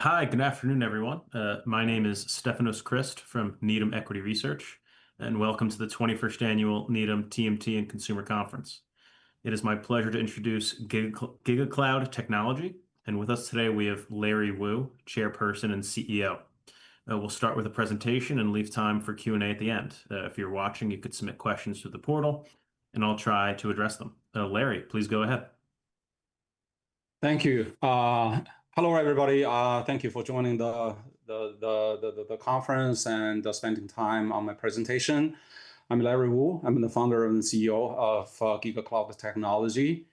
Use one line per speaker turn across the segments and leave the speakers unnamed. Hi. Good afternoon, everyone. My name is Stefanos Crist from Needham Equity Research, and welcome to the 21st Annual Needham TMT and Consumer Conference. It is my pleasure to introduce GigaCloud Technology, and with us today we have Larry Wu, Chairperson and CEO. We'll start with a presentation and leave time for Q&A at the end. If you're watching, you could submit questions through the portal, and I'll try to address them. Larry, please go ahead.
Thank you. Hello, everybody. Thank you for joining the conference and spending time on my presentation. I'm Larry Wu. I'm the Founder and CEO of GigaCloud Technology,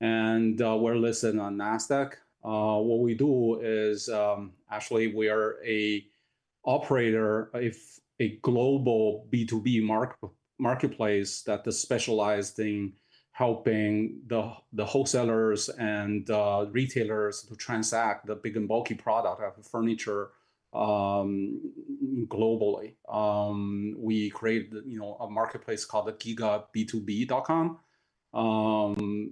and we're listed on Nasdaq. What we do is, actually, we are an operator, a global B2B marketplace that is specialized in helping the wholesalers and retailers to transact the big and bulky product of furniture globally. We create, you know, a marketplace called the gigab2b.com.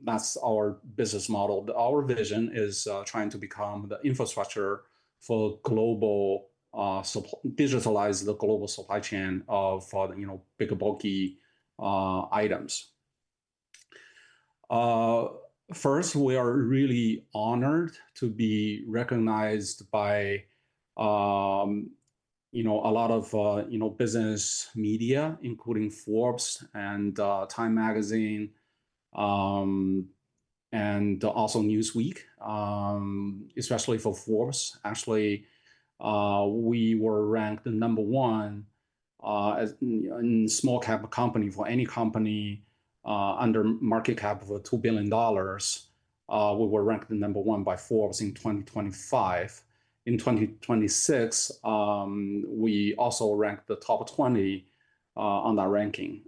That's our business model. Our vision is trying to become the infrastructure for global, digitalize the global supply chain of, for, you know, big and bulky items. First, we are really honored to be recognized by, you know, a lot of, you know, business media, including Forbes and Time magazine, and also Newsweek. Especially for Forbes, actually, we were ranked number one in small-cap company. For any company under market cap of $2 billion, we were ranked the number one by Forbes in 2025. In 2026, we also ranked the top 20 on that ranking.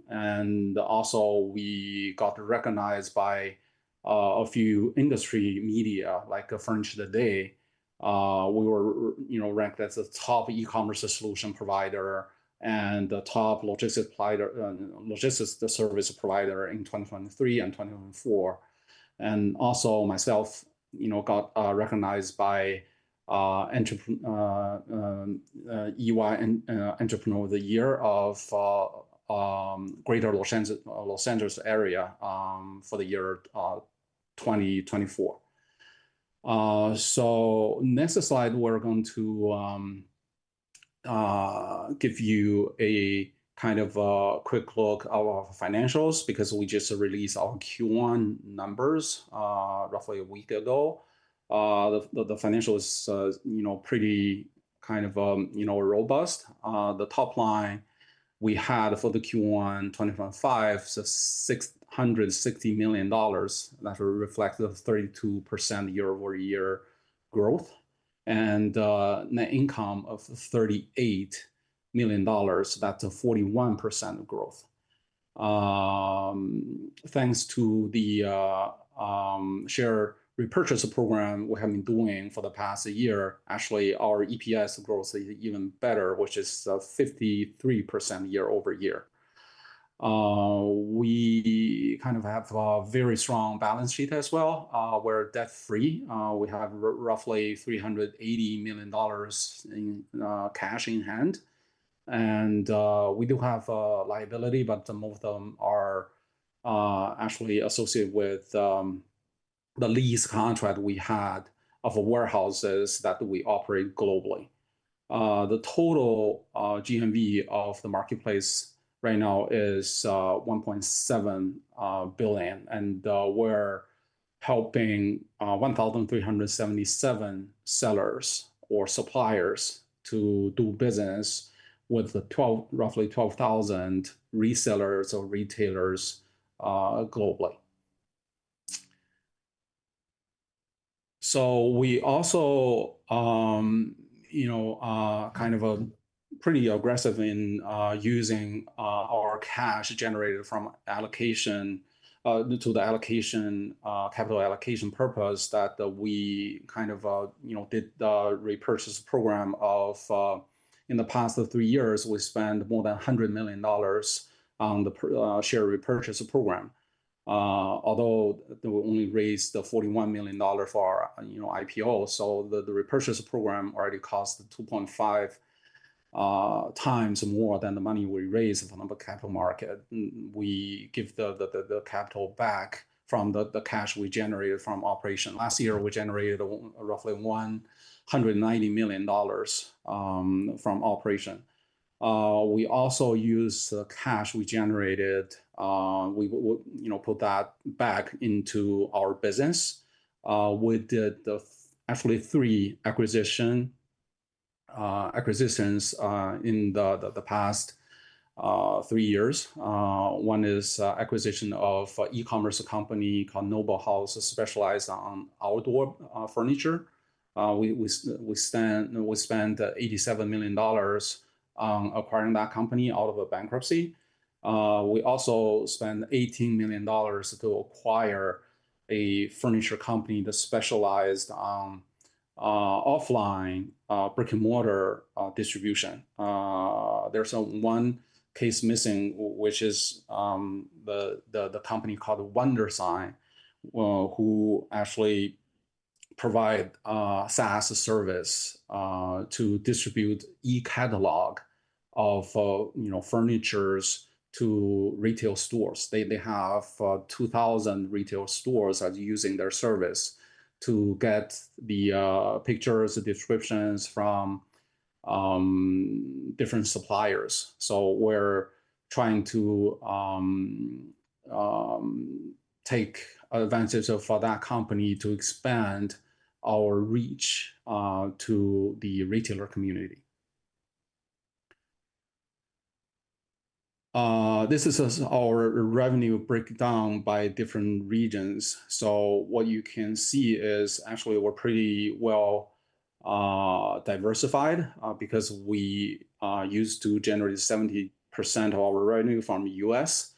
Also, we got recognized by a few industry media like the Furniture Today. We were ranked as a top e-commerce solution provider and the top logistics provider, logistics service provider in 2023 and 2024. Also myself, you know, got recognized by EY Entrepreneur of the Year of Greater Los Angeles area for the year 2024. Next slide, we're going to give you a kind of a quick look at our financials because we just released our Q1 numbers roughly a week ago. The financials are, you know, pretty kind of, you know, robust. The top line we had for the Q1 2025, $660 million. That reflects the 32% year-over-year growth. Net income of $38 million, that's a 41% growth. Thanks to the share repurchase program we have been doing for the past year, actually, our EPS growth is even better, which is 53% year-over-year. We kind of have a very strong balance sheet as well. We're debt-free. We have roughly $380 million in cash in hand. We do have liability, but most of them are actually associated with the lease contract we had of warehouses that we operate globally. The total GMV of the marketplace right now is $1.7 billion, we're helping 1,377 sellers or suppliers to do business with roughly 12,000 resellers or retailers globally. We also, you know, are kind of, pretty aggressive in using our cash generated from allocation, to the allocation, capital allocation purpose that we kind of, you know, did the repurchase program of, in the past, three years, we spent more than $100 million on the share repurchase program. Although they only raised $41 million for, you know, IPO, the repurchase program already cost 2.5x more than the money we raised from the capital market. We give the capital back from the cash we generated from operation. Last year, we generated roughly $190 million from operation. We also use the cash we generated, we actually put that back into our business with the three acquisitions in the past three years. One is acquisition of an e-commerce company called Noble House, which specializes in outdoor furniture. We spent $87 million acquiring that company out of a bankruptcy. We also spent $18 million to acquire a furniture company that specialized in offline, brick-and-mortar distribution. There's 1 case missing, which is the company called Wondersign, who actually provide SaaS service to distribute e-catalog of, you know, furnitures to retail stores. They have 2,000 retail stores using their service to get the pictures, the descriptions from different suppliers. We're trying to take advantage of, for that company to expand our reach to the retailer community. This is our revenue breakdown by different regions. What you can see is actually we're pretty well diversified because we used to generate 70% of our revenue from the U.S.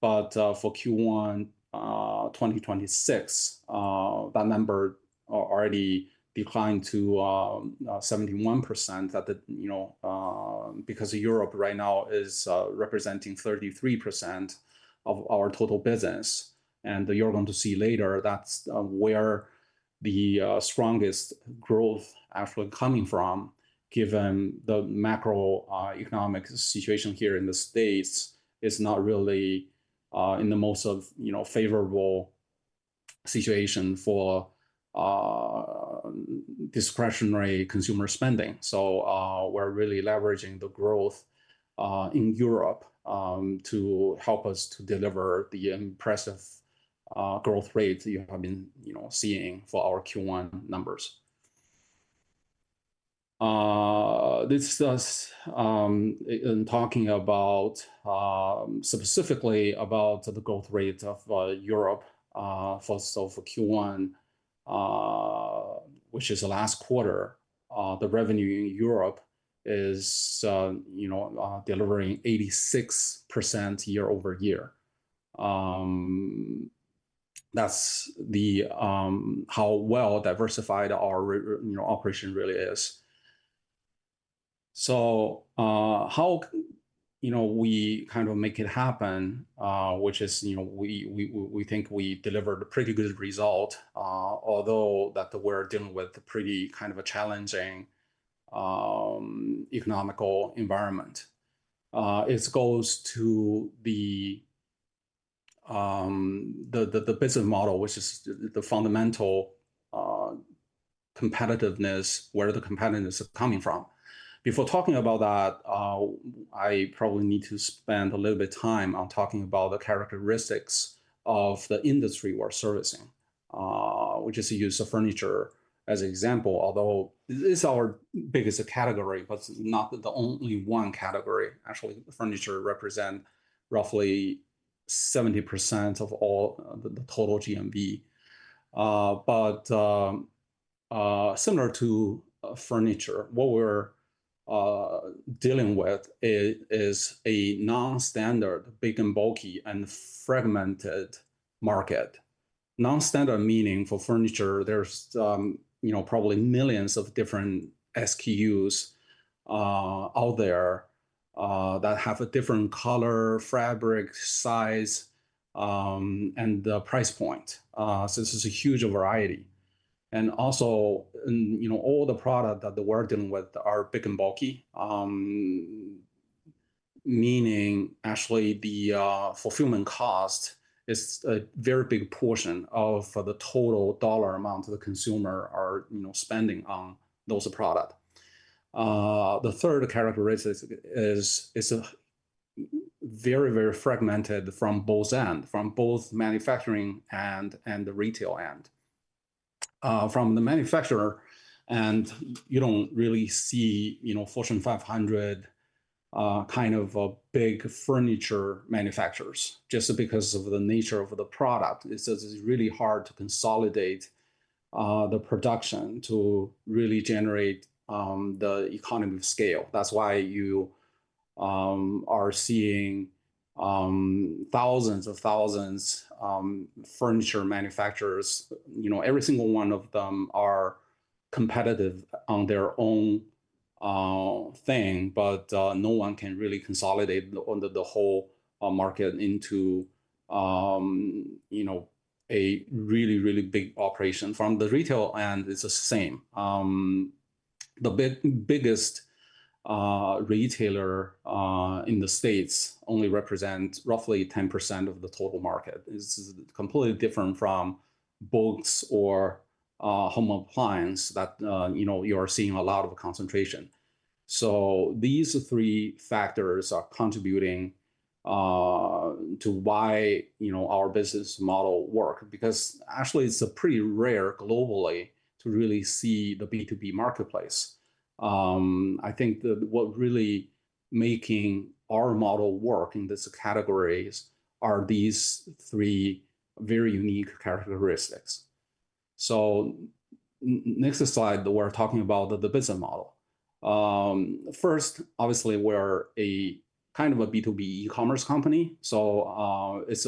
For Q1 2026, that number already declined to 71% you know, because Europe right now is representing 33% of our total business. You're going to see later that's where the strongest growth actually coming from, given the macroeconomic situation here in the U.S. is not really in the most of, you know, favorable situation for discretionary consumer spending. We're really leveraging the growth in Europe to help us to deliver the impressive growth rates you have been, you know, seeing for our Q1 numbers. This is in talking about specifically about the growth rate of Europe first of Q1, which is the last quarter. The revenue in Europe is, you know, delivering 86% year-over-year. That's the how well diversified our operation really is. How, you know, we kind of make it happen, which is, you know, we think we delivered a pretty good result, although that we're dealing with pretty kind of a challenging economical environment. It goes to the business model, which is the fundamental competitiveness, where the competitiveness is coming from. Before talking about that, I probably need to spend a little bit of time on talking about the characteristics of the industry we're servicing, which is use of furniture as example, although it is our biggest category, it's not the only one category. Actually, the furniture represents roughly 70% of all the total GMV. Similar to furniture, what we're dealing with is a non-standard, big and bulky, and fragmented market. Non-standard meaning for furniture, there's, you know, probably millions of different SKUs out there that have a different color, fabric, size, and the price point. This is a huge variety. Also, and, you know, all the products that we're dealing with are big and bulky, meaning actually the fulfillment cost is a very big portion of the total dollar amount the consumer are, you know, spending on those products. The third characteristic is very, very fragmented from both end, from both manufacturing end and the retail end. From the manufacturer end, you don't really see, you know, Fortune 500, kind of, big furniture manufacturers, just because of the nature of the product. It's really hard to consolidate the production to really generate the economy of scale. That's why you are seeing thousands of thousands furniture manufacturers. You know, every single one of them is competitive on their own thing, no one can really consolidate the whole market into, you know, a really big operation. From the retail end, it's the same. The biggest retailer in the U.S. only represents roughly 10% of the total market. It's completely different from books or home appliances that, you know, you are seeing a lot of concentration. These three factors are contributing to why, you know, our business model works because actually it's pretty rare globally to really see the B2B marketplace. I think what really making our model work in these categories are these three very unique characteristics. Next slide, we're talking about the business model. First, obviously we're a kind of a B2B commerce company, so it's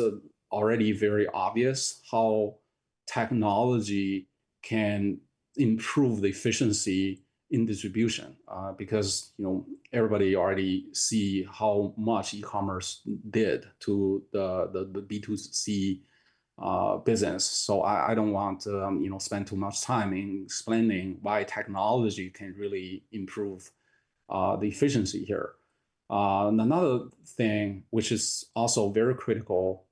already very obvious how technology can improve the efficiency in distribution, because, you know, everybody already see how much e-commerce did to the B2C business. I don't want to, you know, spend too much time in explaining why technology can really improve the efficiency here. Another thing which is also very critical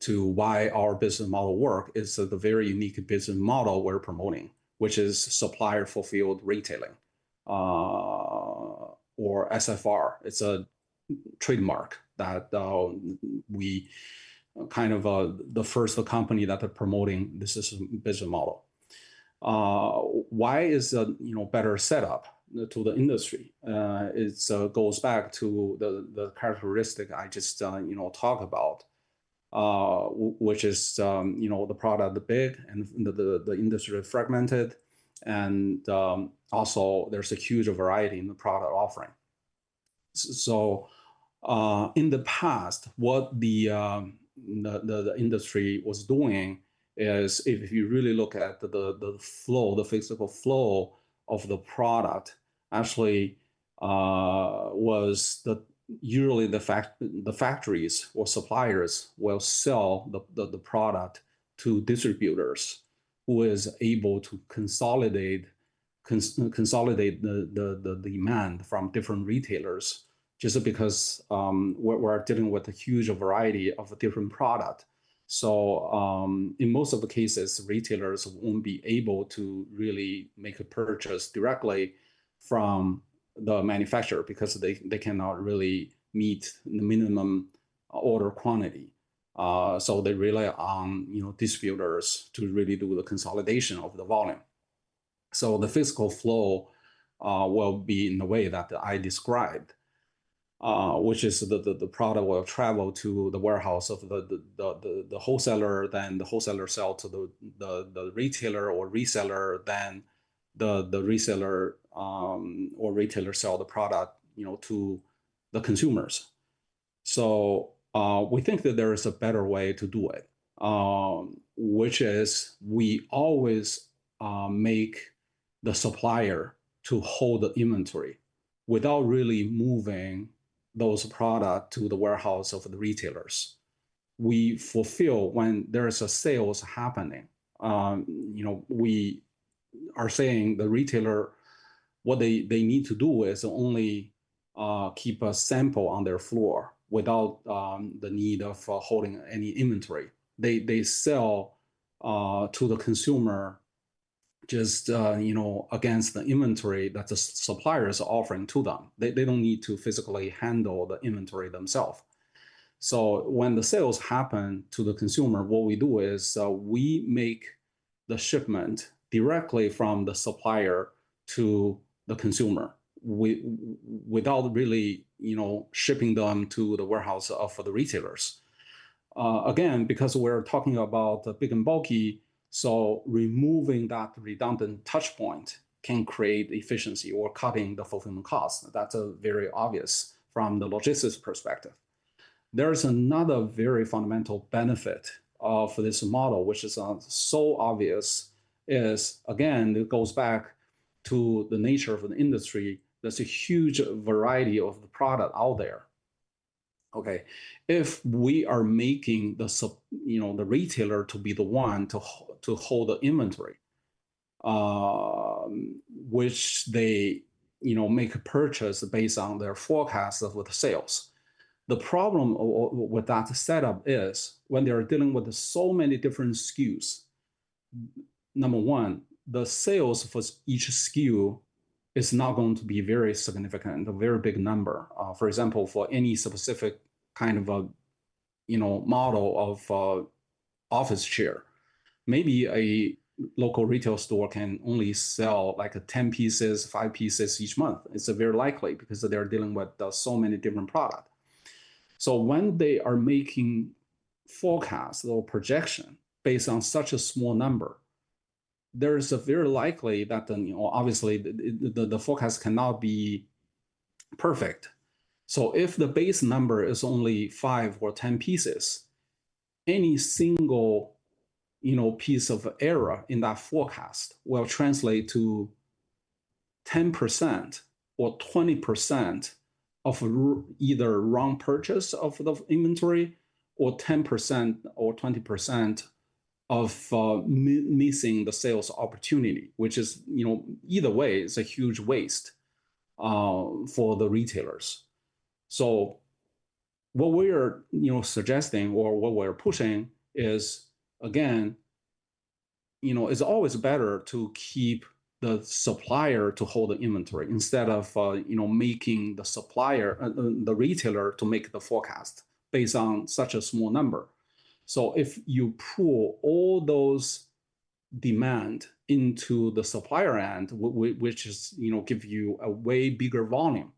to why our business model works is the very unique business model we're promoting, which is Supplier Fulfilled Retailing, or SFR. It's a trademark that we kind of the first company that are promoting this business model. Why is a, you know, better setup to the industry? It goes back to the characteristic I just, you know, talk about, which is, you know, the product, the bid, and the industry fragmented, and also there's a huge variety in the product offering. In the past, what the industry was doing is if you really look at the flow, the physical flow of the product, actually, was the yearly, the factories or suppliers will sell the product to distributors who is able to consolidate the demand from different retailers, just because we're dealing with a huge variety of different products. In most of the cases, retailers won't be able to really make a purchase directly from the manufacturer because they cannot really meet the minimum order quantity. They rely on, you know, distributors to really do the consolidation of the volume. The physical flow will be in the way that I described, which is the wholesaler, then the wholesaler sells to the retailer or reseller, then the reseller or retailer sells the product, you know, to the consumers. We think that there is a better way to do it, which is we always make the supplier to hold the inventory without really moving those products to the warehouse of the retailers. We fulfill when there is a sale happening. You know, we are saying the retailer, what they need to do is only keep a sample on their floor without the need of holding any inventory. They sell, you know, to the consumer just against the inventory that the suppliers are offering to them. They don't need to physically handle the inventory themself. When the sales happen to the consumer, what we do is we make the shipment directly from the supplier to the consumer without really, you know, shipping them to the warehouse of the retailers. Again, because we're talking about big and bulky, removing that redundant touch point can create efficiency or cutting the fulfillment cost. That's very obvious from the logistics perspective. There is another very fundamental benefit for this model, which is so obvious, is again it goes back to the nature of the industry. There's a huge variety of products out there. Okay. If we are making, you know, the retailer to be the one to hold the inventory, which they, you know, make a purchase based on their forecast of the sales. The problem with that setup is when they are dealing with so many different SKUs, number one, the sales for each SKU is not going to be very significant, a very big number. For example, for any specific kind of a, you know, model of office chair, maybe a local retail store can only sell like 10 pieces, five pieces each month. It's very likely because they are dealing with so many different products. When they are making forecast or projection based on such a small number, there is a very likely that then, you know, obviously, the forecast cannot be perfect. If the base number is only five or 10 pieces, any single, you know, piece of error in that forecast will translate to 10% or 20% of either wrong purchase of the inventory, or 10% or 20% of missing the sales opportunity, which is, you know, either way, it's a huge waste for the retailers. What we are, you know, suggesting or what we're pushing is, again, you know, it's always better to keep the supplier to hold the inventory instead of, you know, making the supplier, the retailer to make the forecast based on such a small number. If you pool all those demands into the supplier end, which is, you know, gives you a way bigger volume.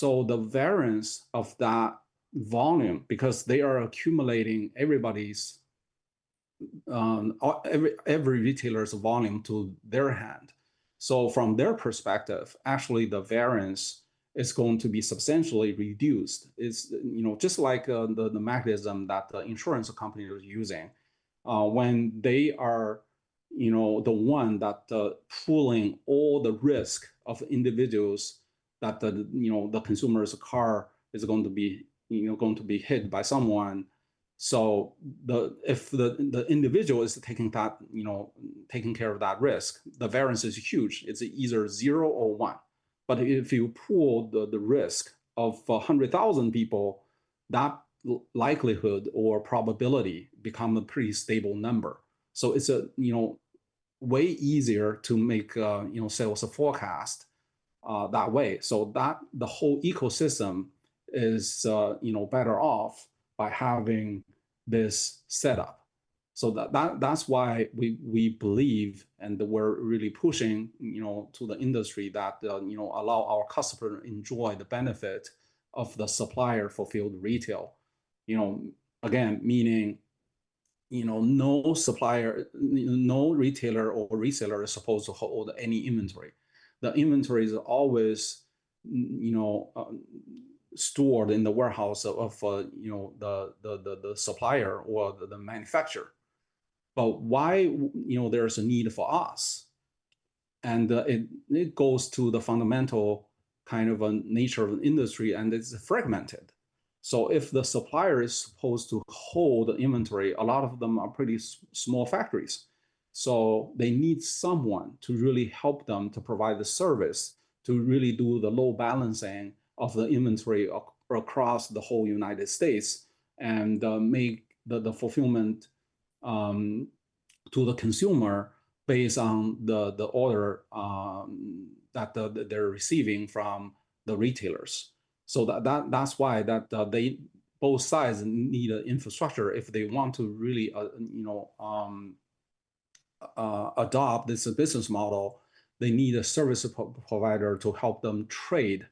The variance of that volume, because they are accumulating everybody's every retailer's volume to their hand. From their perspective, actually, the variance is going to be substantially reduced. It's, you know, just like the mechanism that the insurance company was using. When they are, you know, the one that pooling all the risk of individuals that the, you know, the consumer's car is going to be hit by someone. If the individual is taking that, you know, taking care of that risk, the variance is huge. It's either zero or one. If you pool the risk of 100,000 people, that likelihood or probability become a pretty stable number. It's, you know, way easier to make, you know, sales forecast that way. That, the whole ecosystem is, you know, better off by having this set up. That's why we believe, and we're really pushing, you know, to the industry that, you know, allows our customers enjoy the benefit of the Supplier Fulfilled Retailing. You know, again, meaning, you know, no supplier, you know, no retailer or reseller is supposed to hold any inventory. The inventory is always, you know, stored in the warehouse of, you know, the supplier or the manufacturer. Why, you know, there is a need for us? It goes to the fundamental kind of nature of industry, and it's fragmented. If the supplier is supposed to hold inventory, a lot of them are pretty small factories. They need someone to really help them to provide the service, to really do the load balancing of the inventory across the whole U.S., and make the fulfillment to the consumer based on the order that they're receiving from the retailers. That's why both sides need an infrastructure if they want to really, you know, adopt this business model. They need a service provider to help them trade,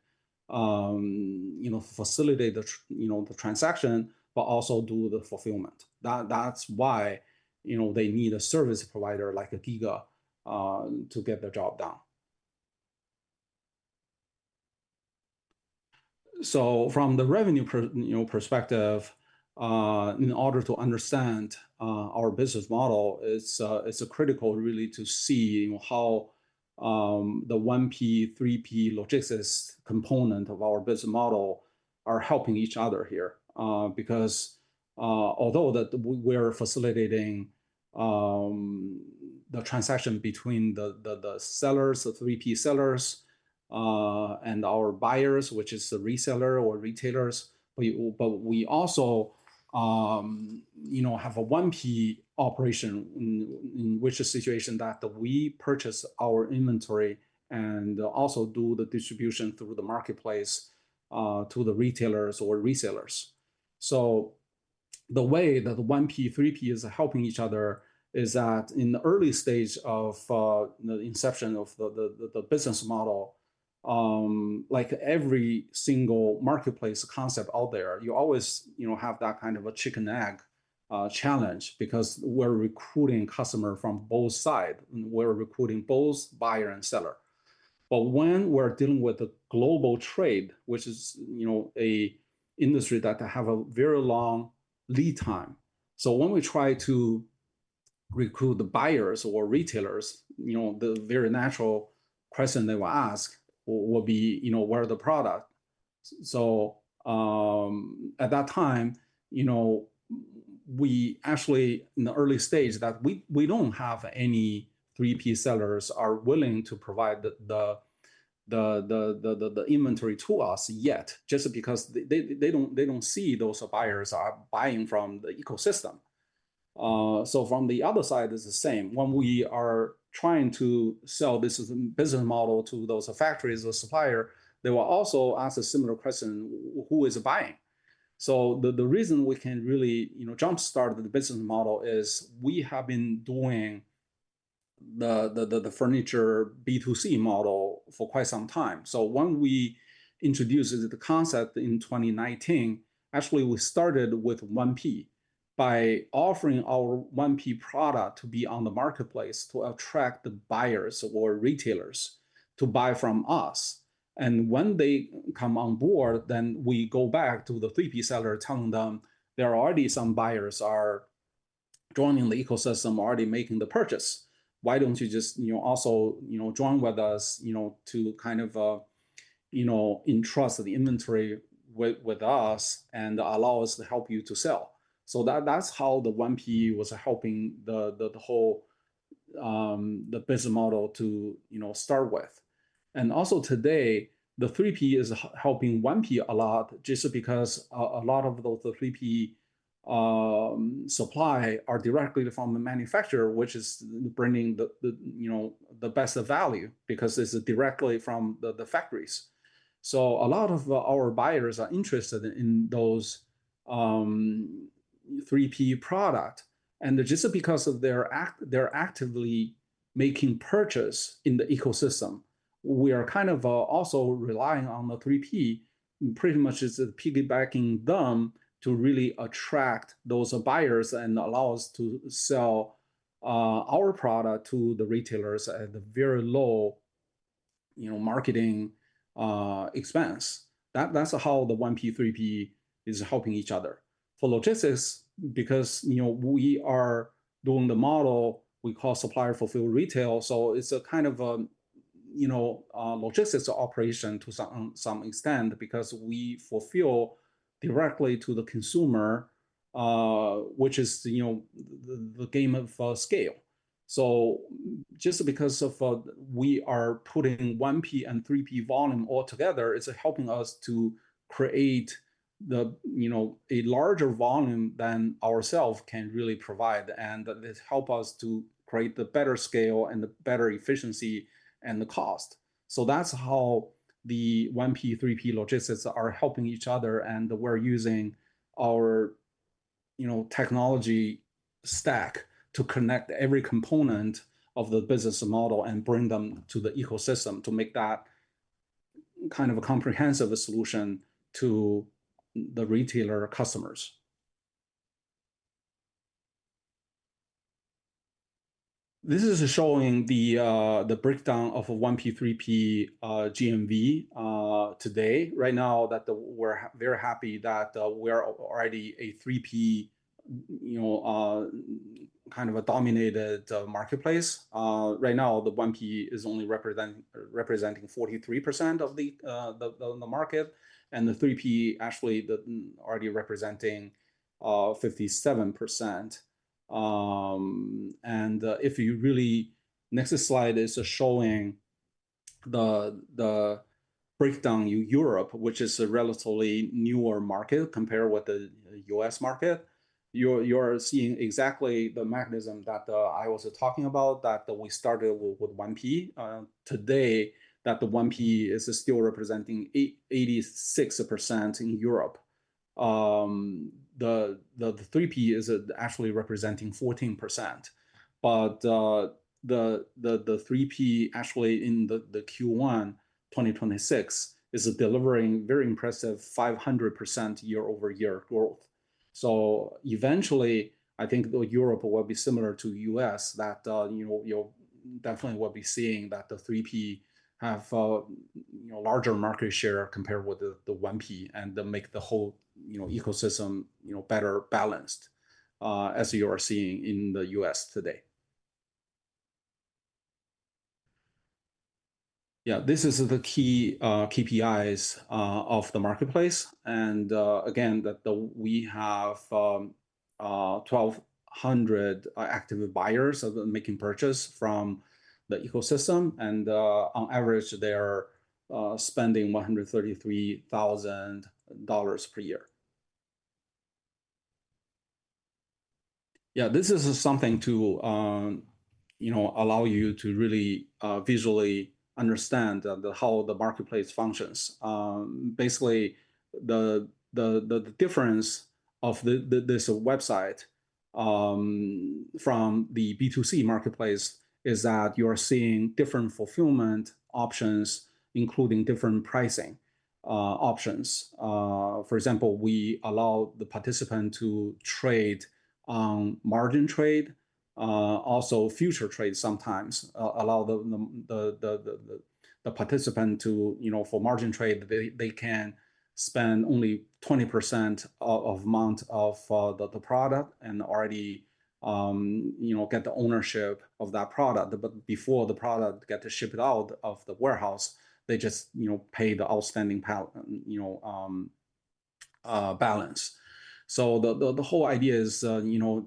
you know, facilitate the transaction, but also do the fulfillment. That's why, you know, they need a service provider like GigaCloud to get the job done. From the revenue you know, perspective, in order to understand our business model, it's critical really to see, you know, how the 1P, 3P logistics component of our business model is helping each other here. Because, although that we're facilitating the transaction between the sellers, the 3P sellers, and our buyers, which is the reseller or retailers, but we also, you know, have a 1P operation in which a situation that we purchase our inventory and also do the distribution through the marketplace to the retailers or resellers. The way that 1P, 3P is helping each other is that in the early stage of, you know, the inception of the business model, like every single marketplace concept out there, you always, you know, have that kind of a chicken egg challenge because we're recruiting customers from both side. We're recruiting both buyer and seller. When we're dealing with the global trade, which is, you know, an industry that have a very long lead time. When we try to recruit the buyers or retailers, you know, the very natural question they will ask will be, you know, "Where are the product?" At that time, you know, we actually, in the early stage, that we don't have any 3P sellers are willing to provide the inventory to us yet, just because they didn't see those buyers are buying from the ecosystem. From the other side is the same. When we are trying to sell this business model to those factories or suppliers, they will also ask a similar question, "Who is buying?" The reason we can really, you know, jumpstart the business model is we have been doing the furniture B2C model for quite some time. When we introduced the concept in 2019, actually we started with 1P, by offering our 1P product to be on the GigaCloud Marketplace to attract the buyers or retailers to buy from us. When they come on board, we go back to the 3P seller telling them, there are already some buyers are joining the ecosystem, already making the purchase. Why don't you just, you know, also, you know, join with us, you know, to kind of, you know, entrust the inventory with us and allow us to help you to sell? That's how the 1P was helping the whole business model to, you know, start with. Also today, the 3P is helping 1P a lot, just because a lot of those 3P supply are directly from the manufacturer, which is bringing the, you know, the best value because this is directly from the factories. A lot of our buyers are interested in those 3P products, and just because they're actively making purchases in the ecosystem. We are kind of also relying on the 3P, pretty much is piggybacking them to really attract those buyers and allow us to sell our product to the retailers at a very low, you know, marketing expense. That's how the 1P, 3P is helping each other. For logistics, because, you know, we are doing the model we call Supplier Fulfilled Retailing, so it's a kind of, you know, logistics operation to some extent because we fulfill directly to the consumer, which is, you know, the game of scale. Just because of we are putting 1P and 3P volume all together, it's helping us to create the, you know, a larger volume than ourselves can really provide, and it helps us to create the better scale and the better efficiency and the cost. That's how the 1P, 3P logistics are helping each other, and we're using our, you know, technology stack to connect every component of the business model and bring them to the ecosystem to make that kind of a comprehensive solution to the retailer customers. This is showing the breakdown of 1P, 3P, GMV today. Right now, that we're very happy that we're already a 3P, you know, kind of a dominated marketplace. Right now, the 1P is only representing 43% of the market and the 3P actually already representing 57%. If you really, next slide is showing the breakdown in Europe, which is a relatively newer market compared with the U.S. market. You're seeing exactly the mechanism that I was talking about, that we started with 1P. Today, the 1P is still representing 86% in Europe. The 3P is actually representing 14%. The 3P actually in the Q1 2026 is delivering very impressive 500% year-over-year growth. Eventually, I think that Europe will be similar to U.S., that you'll definitely be seeing that the 3P have a larger market share compared with the 1P and then make the whole ecosystem better balanced, as you are seeing in the U.S. today. These are the key KPIs of the marketplace. Again, we have 1,200 active buyers making purchases from the ecosystem and on average, they are spending $133,000 per year. This is something to, you know, allow you to really visually understand how the marketplace functions. Basically, the difference of this website from the B2C marketplace is that you're seeing different fulfillment options, including different pricing options. For example, we allow the participant to trade, margin trade, also future trade sometimes, allow the participant to, you know, for margin trade, they can spend only 20% of amount of the product and already, you know, get the ownership of that product. Before the product gets shipped out of the warehouse, they just, you know, pay the outstanding, you know, balance. The whole idea is, you know,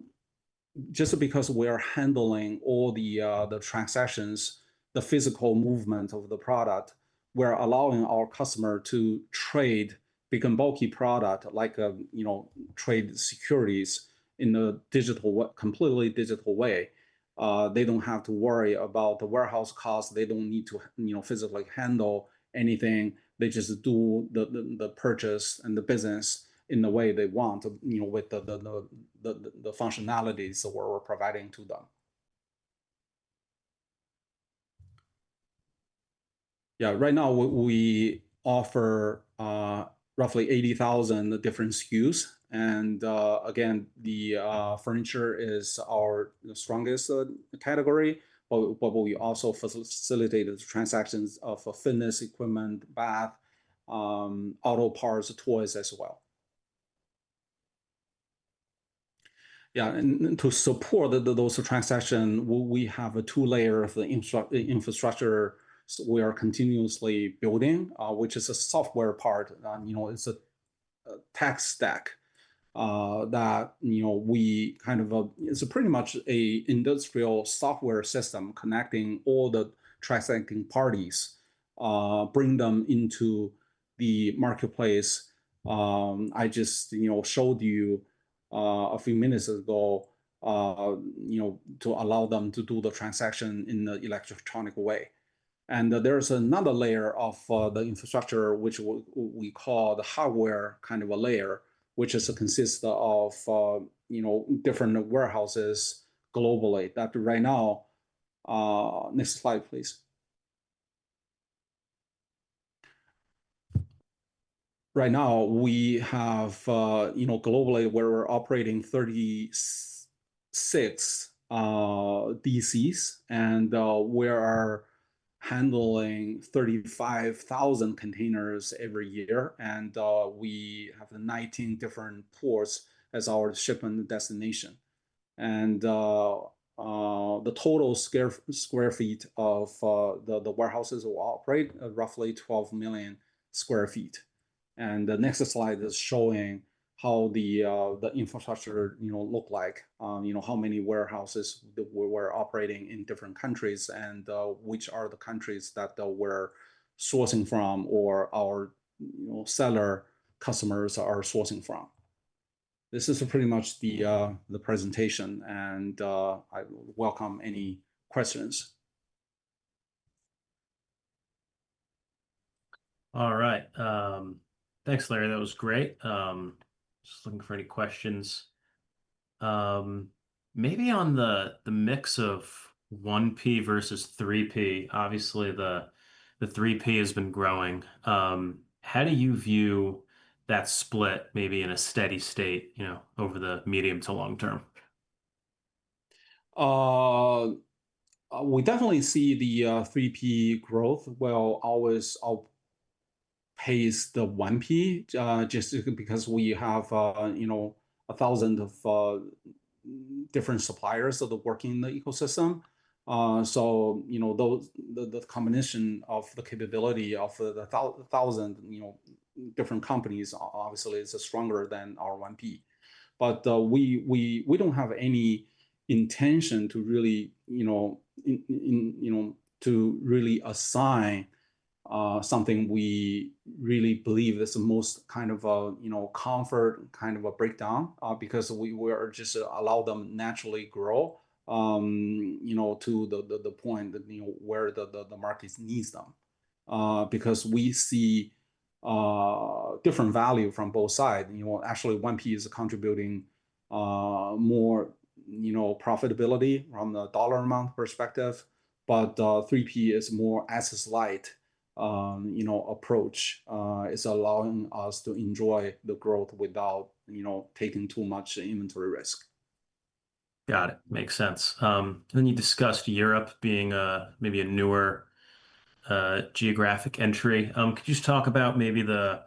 just because we're handling all the transactions, the physical movement of the product, we're allowing our customers to trade big and bulky products like, you know, trade securities in a completely digital way. They don't have to worry about the warehouse cost. They don't need to, you know, physically handle anything. They just do the purchase and the business in the way they want, you know, with the functionalities that we're providing to them. Yeah, right now we offer roughly 80,000 different SKUs and again, the furniture is our strongest category. We also facilitate transactions of fitness equipment, bath, auto parts, toys as well. Yeah, to support those transactions, we have a two-layer infrastructure we are continuously building, which is a software part. You know, it's a tech stack that, you know, we kind of, it's a pretty much an industrial software system connecting all the transacting parties, bring them into the Marketplace. I just, you know, showed you a few minutes ago, you know, to allow them to do the transaction in an electronic way. There is another layer of the infrastructure which we call the hardware kind of a layer, which consists of, you know, different warehouses globally that right now. Right now, we have, you know, globally we're operating 36 DCs, and we are handling 35,000 containers every year. We have 19 different ports as our shipping destination. The total square feet of the warehouses we operate are roughly 12 million sq ft. The next slide is showing how the infrastructure, you know, look like, you know, how many warehouses that we're operating in different countries and which are the countries that we're sourcing from or our, you know, seller customers are sourcing from. This is pretty much the presentation, and I welcome any questions.
All right. Thanks, Larry. That was great. Just looking for any questions. Maybe on the mix of 1P versus 3P, obviously, the 3P has been growing. How do you view that split maybe in a steady state, you know, over the medium to long term?
We definitely see the 3P growth will always outpace the 1P, just because we have, you know, 1,000 of different suppliers sort of working the ecosystem. You know, the combination of the 1,000, you know, different companies obviously are stronger than our 1P. We don't have any intention to really, you know, to really assign something we really believe is the most kind of, you know, comfort kind of a breakdown, because we are just allow them naturally grow, you know, to the point that, you know, where the markets need them. We see different values from both sides. You know, actually 1P is contributing, more, you know, profitability from the dollar amount perspective, but 3P is more assets light, you know, approach, is allowing us to enjoy the growth without, you know, taking too much inventory risk.
Got it. Makes sense. You discussed Europe being, maybe a newer, geographic entry. Could you just talk about maybe the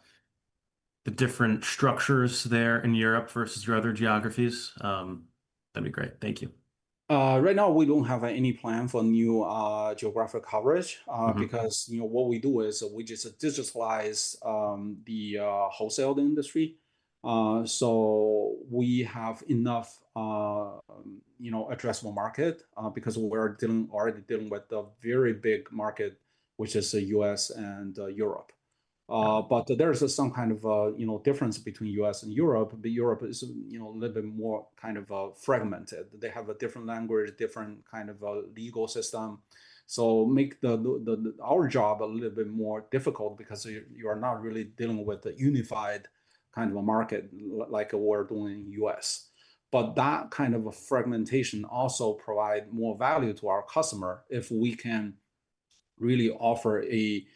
different structures there in Europe versus your other geographies? That'd be great. Thank you.
Right now, we don't have any plan for new geographic coverage. You know, what we do is we just digitalize the wholesale industry. We have enough, you know, addressable market, because we're already dealing with the very big market, which is U.S. and Europe. There is some kind of, you know, difference between U.S. and Europe, but Europe is, you know, a little bit more kind of fragmented. They have a different language, different kind of legal system, so make our job a little bit more difficult because you are not really dealing with a unified kind of market like we're doing in U.S. That kind of a fragmentation also provides more value to our customer if we can really offer a,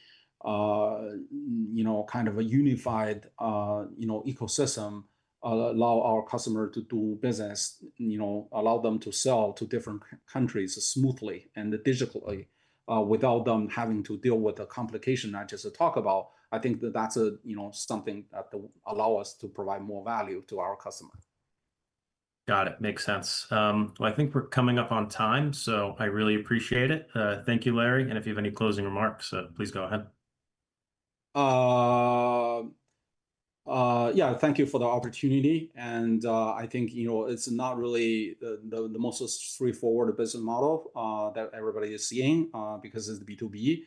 you know, kind of a unified, you know, ecosystem, allow our customers to do business, you know, allow them to sell to different countries smoothly and digitally, without them having to deal with the complication I just talk about. I think that that's a, you know, something that allow us to provide more value to our customers.
Got it. Makes sense. Well, I think we're coming up on time. I really appreciate it. Thank you, Larry. If you have any closing remarks, please go ahead.
Yeah. Thank you for the opportunity and I think, you know, it's not really the most straightforward business model that everybody is seeing because it's B2B.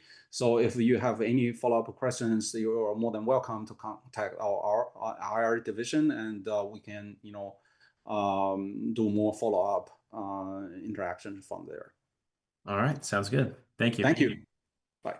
If you have any follow-up questions, you are more than welcome to contact our division and, we can, you know, do more follow-up interaction from there.
All right. Sounds good. Thank you.
Thank you. Bye.